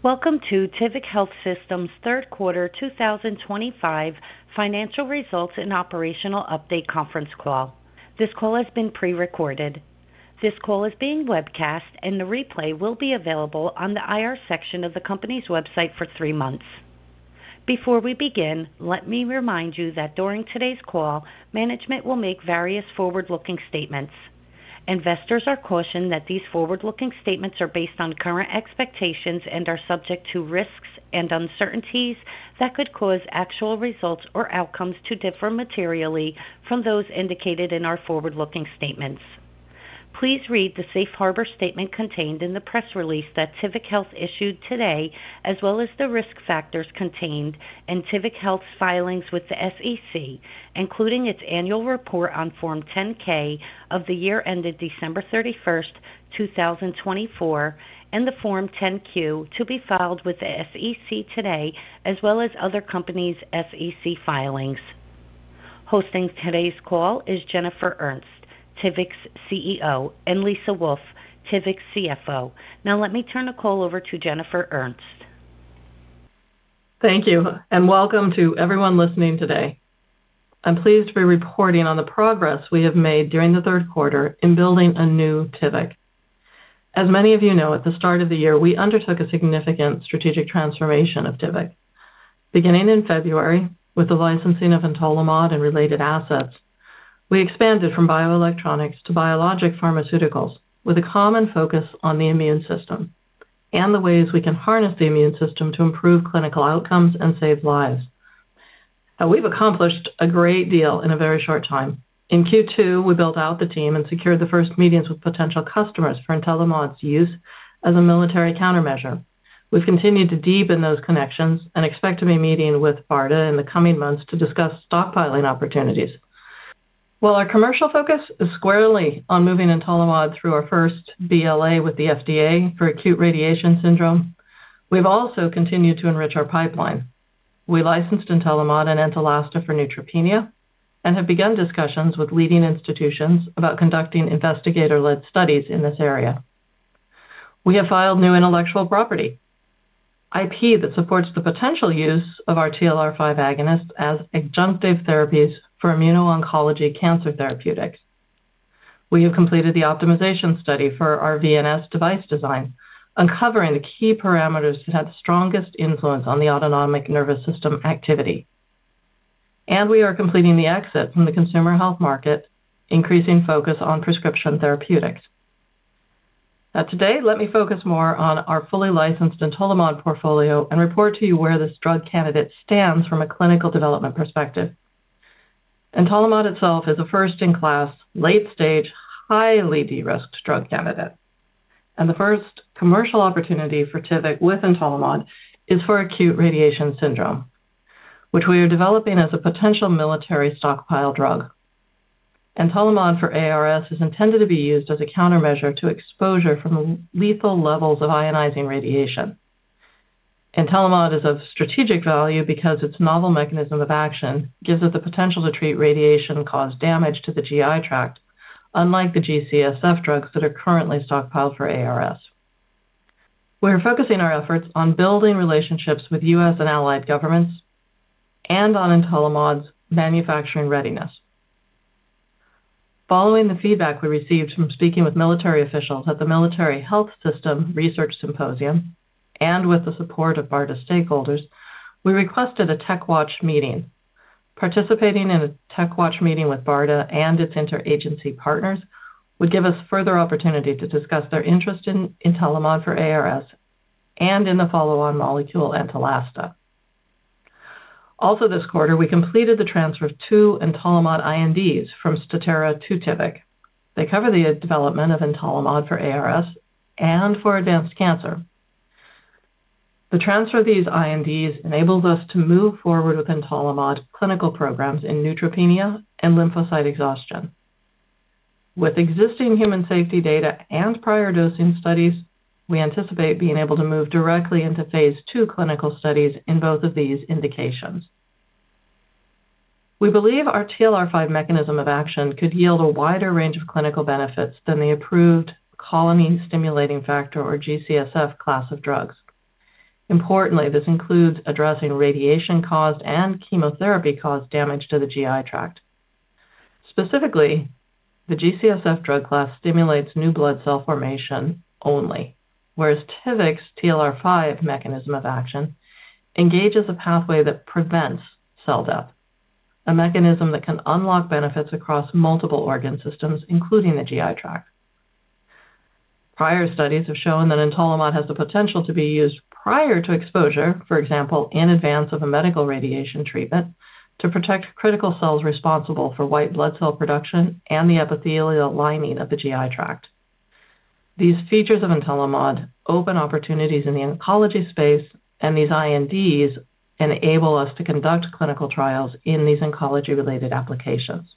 Welcome to Tivic Health Systems' third quarter 2025 financial results and operational update conference call. This call has been pre-recorded. This call is being webcast, and the replay will be available on the IR section of the company's website for three months. Before we begin, let me remind you that during today's call, management will make various forward-looking statements. Investors are cautioned that these forward-looking statements are based on current expectations and are subject to risks and uncertainties that could cause actual results or outcomes to differ materially from those indicated in our forward-looking statements. Please read the Safe Harbor statement contained in the press release that Tivic Health issued today, as well as the risk factors contained in Tivic Health's filings with the SEC, including its annual report on Form 10-K for the year ended December 31, 2024, and the Form 10-Q to be filed with the SEC today, as well as other companies' SEC filings. Hosting today's call is Jennifer Ernst, Tivic's CEO, and Lisa Wolf, Tivic's CFO. Now, let me turn the call over to Jennifer Ernst. Thank you, and welcome to everyone listening today. I'm pleased to be reporting on the progress we have made during the third quarter in building a new Tivic. As many of you know, at the start of the year, we undertook a significant strategic transformation of Tivic. Beginning in February with the licensing of Entolimod and related assets, we expanded from bioelectronics to biologic pharmaceuticals with a common focus on the immune system and the ways we can harness the immune system to improve clinical outcomes and save lives. We've accomplished a great deal in a very short time. In Q2, we built out the team and secured the first meetings with potential customers for Entolimod's use as a military countermeasure. We've continued to deepen those connections and expect to be meeting with BARDA in the coming months to discuss stockpiling opportunities. While our commercial focus is squarely on moving Entolimod through our first BLA with the FDA for acute radiation syndrome, we've also continued to enrich our pipeline. We licensed Entolimod and Entelasta for neutropenia and have begun discussions with leading institutions about conducting investigator-led studies in this area. We have filed new intellectual property, IP that supports the potential use of our TLR5 agonists as adjunctive therapies for immuno-oncology cancer therapeutics. We have completed the optimization study for our VNS device design, uncovering the key parameters that had the strongest influence on the autonomic nervous system activity. We are completing the exit from the consumer health market, increasing focus on prescription therapeutics. Today, let me focus more on our fully licensed Entolimod portfolio and report to you where this drug candidate stands from a clinical development perspective. Entolimod itself is a first-in-class, late-stage, highly de-risked drug candidate. The first commercial opportunity for Tivic with Entolimod is for acute radiation syndrome, which we are developing as a potential military stockpile drug. Entolimod for ARS is intended to be used as a countermeasure to exposure from lethal levels of ionizing radiation. Entolimod is of strategic value because its novel mechanism of action gives it the potential to treat radiation-caused damage to the GI tract, unlike the G-CSF drugs that are currently stockpiled for ARS. We're focusing our efforts on building relationships with U.S. and allied governments and on Entolimod's manufacturing readiness. Following the feedback we received from speaking with military officials at the Military Health System Research Symposium and with the support of BARDA stakeholders, we requested a TechWatch meeting. Participating in a TechWatch meeting with BARDA and its interagency partners would give us further opportunity to discuss their interest in Entolimod for ARS and in the follow-on molecule Entelasta. Also, this quarter, we completed the transfer of two Entolimod INDs from Statera to Tivic. They cover the development of Entolimod for ARS and for advanced cancer. The transfer of these INDs enables us to move forward with Entolimod clinical programs in neutropenia and lymphocyte exhaustion. With existing human safety data and prior dosing studies, we anticipate being able to move directly into phase two clinical studies in both of these indications. We believe our TLR5 mechanism of action could yield a wider range of clinical benefits than the approved colony-stimulating factor, or G-CSF, class of drugs. Importantly, this includes addressing radiation-caused and chemotherapy-caused damage to the GI tract. Specifically, the G-CSF drug class stimulates new blood cell formation only, whereas Tivic's TLR5 mechanism of action engages a pathway that prevents cell death, a mechanism that can unlock benefits across multiple organ systems, including the GI tract. Prior studies have shown that Entolimod has the potential to be used prior to exposure, for example, in advance of a medical radiation treatment, to protect critical cells responsible for white blood cell production and the epithelial lining of the GI tract. These features of Entolimod open opportunities in the oncology space, and these INDs enable us to conduct clinical trials in these oncology-related applications.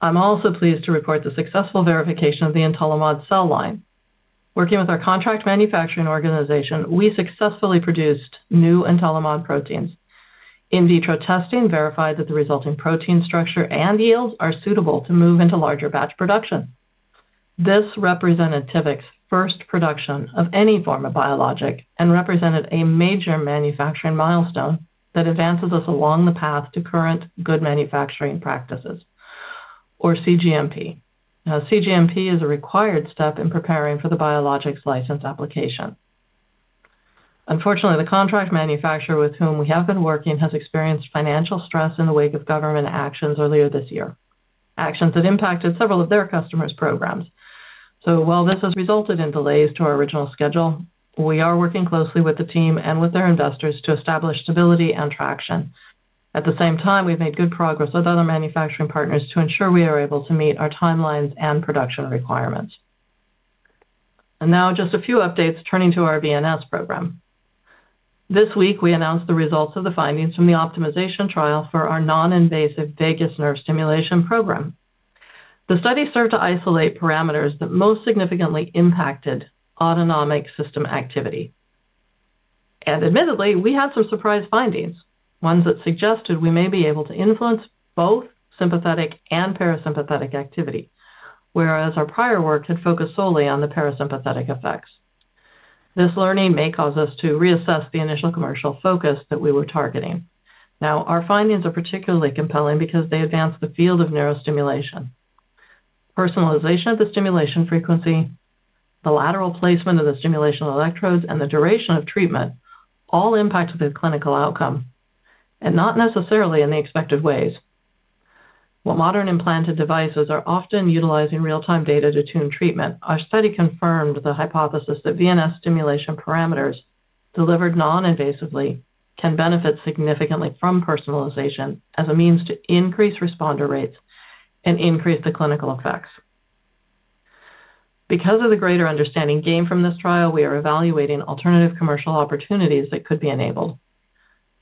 I'm also pleased to report the successful verification of the Entolimod cell line. Working with our contract manufacturing organization, we successfully produced new Entolimod proteins. In vitro testing verified that the resulting protein structure and yields are suitable to move into larger batch production. This represented Tivic's first production of any form of biologic and represented a major manufacturing milestone that advances us along the path to current good manufacturing practices, or CGMP. Now, CGMP is a required step in preparing for the biologics license application. Unfortunately, the contract manufacturer with whom we have been working has experienced financial stress in the wake of government actions earlier this year, actions that impacted several of their customers' programs. While this has resulted in delays to our original schedule, we are working closely with the team and with their investors to establish stability and traction. At the same time, we've made good progress with other manufacturing partners to ensure we are able to meet our timelines and production requirements. Now, just a few updates turning to our VNS program. This week, we announced the results of the findings from the optimization trial for our non-invasive Vagus Nerve Stimulation program. The study served to isolate parameters that most significantly impacted autonomic system activity. Admittedly, we had some surprise findings, ones that suggested we may be able to influence both sympathetic and parasympathetic activity, whereas our prior work had focused solely on the parasympathetic effects. This learning may cause us to reassess the initial commercial focus that we were targeting. Our findings are particularly compelling because they advance the field of neurostimulation. Personalization of the stimulation frequency, the lateral placement of the stimulation electrodes, and the duration of treatment all impact the clinical outcome, and not necessarily in the expected ways. While modern implanted devices are often utilizing real-time data to tune treatment, our study confirmed the hypothesis that VNS stimulation parameters delivered non-invasively can benefit significantly from personalization as a means to increase responder rates and increase the clinical effects. Because of the greater understanding gained from this trial, we are evaluating alternative commercial opportunities that could be enabled.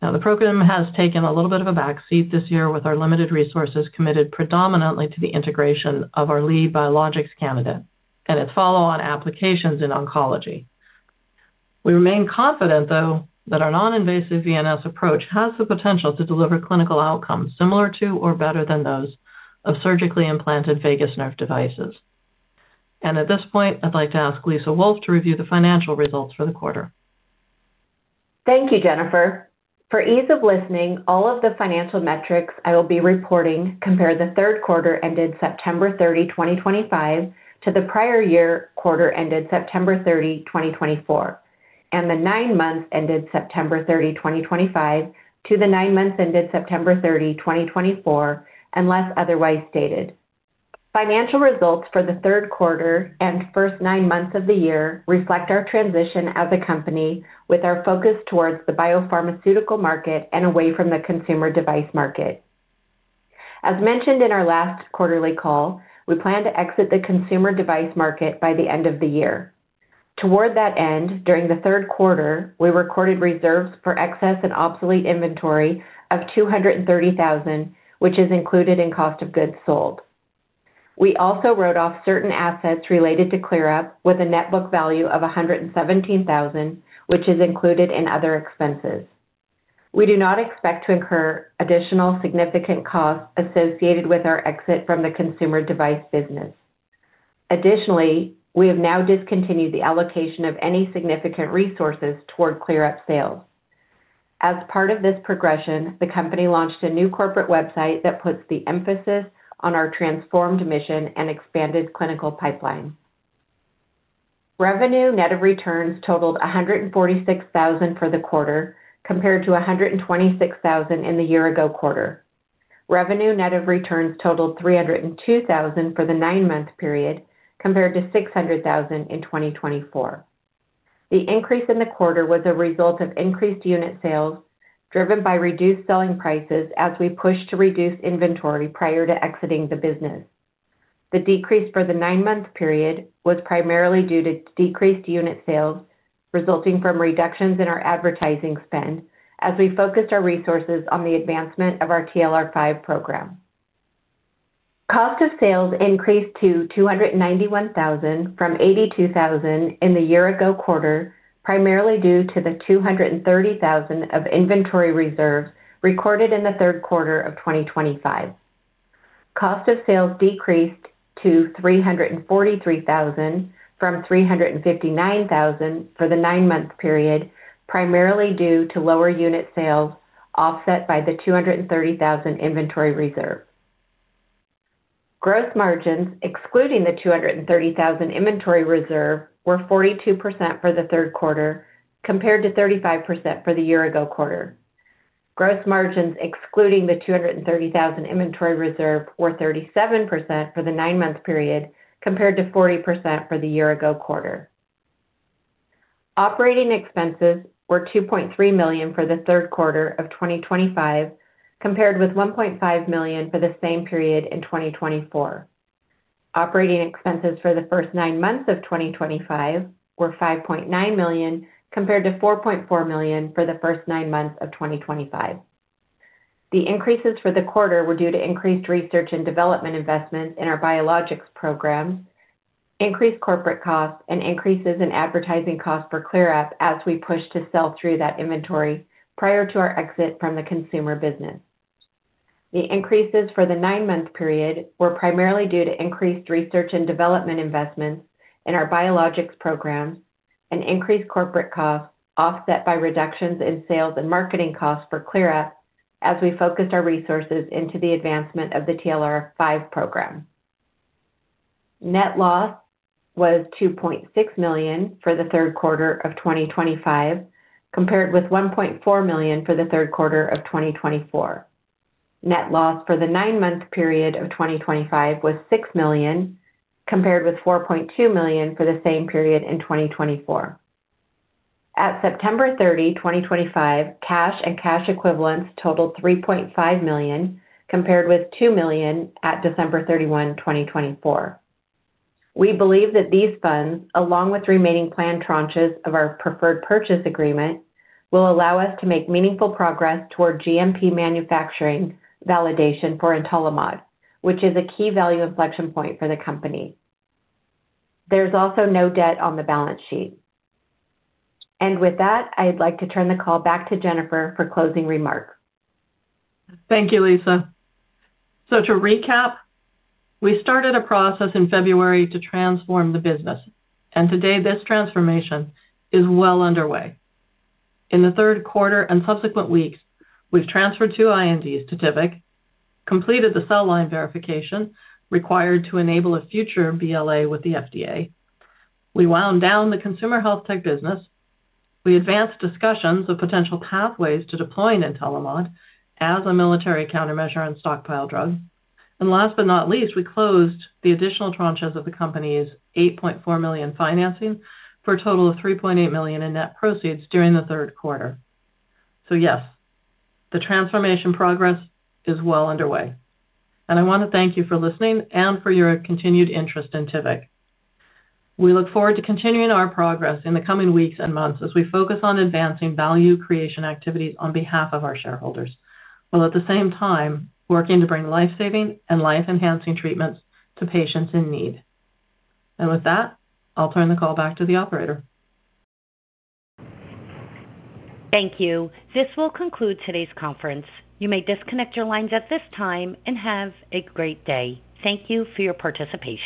Now, the program has taken a little bit of a backseat this year with our limited resources committed predominantly to the integration of our lead biologics candidate and its follow-on applications in oncology. We remain confident, though, that our non-invasive VNS approach has the potential to deliver clinical outcomes similar to or better than those of surgically implanted vagus nerve devices. At this point, I'd like to ask Lisa Wolf to review the financial results for the quarter. Thank you, Jennifer. For ease of listening, all of the financial metrics I will be reporting compare the third quarter ended September 30, 2025, to the prior year quarter ended September 30, 2024, and the nine months ended September 30, 2025, to the nine months ended September 30, 2024, unless otherwise stated. Financial results for the third quarter and first nine months of the year reflect our transition as a company with our focus towards the biopharmaceutical market and away from the consumer device market. As mentioned in our last quarterly call, we plan to exit the consumer device market by the end of the year. Toward that end, during the third quarter, we recorded reserves for excess and obsolete inventory of $230,000, which is included in cost of goods sold. We also wrote off certain assets related to ClearUP with a net book value of $117,000, which is included in other expenses. We do not expect to incur additional significant costs associated with our exit from the consumer device business. Additionally, we have now discontinued the allocation of any significant resources toward ClearUP sales. As part of this progression, the company launched a new corporate website that puts the emphasis on our transformed mission and expanded clinical pipeline. Revenue net of returns totaled $146,000 for the quarter compared to $126,000 in the year-ago quarter. Revenue net of returns totaled $302,000 for the nine-month period compared to $600,000 in 2024. The increase in the quarter was a result of increased unit sales driven by reduced selling prices as we pushed to reduce inventory prior to exiting the business. The decrease for the nine-month period was primarily due to decreased unit sales resulting from reductions in our advertising spend as we focused our resources on the advancement of our TLR5 program. Cost of sales increased to $291,000 from $82,000 in the year-ago quarter, primarily due to the $230,000 of inventory reserves recorded in the third quarter of 2025. Cost of sales decreased to $343,000 from $359,000 for the nine-month period, primarily due to lower unit sales offset by the $230,000 inventory reserve. Gross margins, excluding the $230,000 inventory reserve, were 42% for the third quarter compared to 35% for the year-ago quarter. Gross margins, excluding the $230,000 inventory reserve, were 37% for the nine-month period compared to 40% for the year-ago quarter. Operating expenses were $2.3 million for the third quarter of 2025 compared with $1.5 million for the same period in 2024. Operating expenses for the first nine months of 2025 were $5.9 million compared to $4.4 million for the first nine months of 2024. The increases for the quarter were due to increased research and development investments in our biologics program, increased corporate costs, and increases in advertising costs for ClearUP as we pushed to sell through that inventory prior to our exit from the consumer business. The increases for the nine-month period were primarily due to increased research and development investments in our biologics program and increased corporate costs offset by reductions in sales and marketing costs for ClearUP as we focused our resources into the advancement of the TLR5 program. Net loss was $2.6 million for the third quarter of 2025 compared with $1.4 million for the third quarter of 2024. Net loss for the nine-month period of 2025 was $6 million compared with $4.2 million for the same period in 2024. At September 30, 2025, cash and cash equivalents totaled $3.5 million compared with $2 million at December 31, 2024. We believe that these funds, along with remaining planned tranches of our preferred purchase agreement, will allow us to make meaningful progress toward CGMP manufacturing validation for Entolimod, which is a key value inflection point for the company. There is also no debt on the balance sheet. With that, I'd like to turn the call back to Jennifer for closing remarks. Thank you, Lisa. To recap, we started a process in February to transform the business, and today this transformation is well underway. In the third quarter and subsequent weeks, we've transferred two INDs to Tivic, completed the cell line verification required to enable a future BLA with the FDA. We wound down the consumer health tech business. We advanced discussions of potential pathways to deploying Entolimod as a military countermeasure and stockpile drug. Last but not least, we closed the additional tranches of the company's $8.4 million financing for a total of $3.8 million in net proceeds during the third quarter. Yes, the transformation progress is well underway. I want to thank you for listening and for your continued interest in Tivic. We look forward to continuing our progress in the coming weeks and months as we focus on advancing value creation activities on behalf of our shareholders, while at the same time working to bring lifesaving and life-enhancing treatments to patients in need. With that, I will turn the call back to the operator. Thank you. This will conclude today's conference. You may disconnect your lines at this time and have a great day. Thank you for your participation.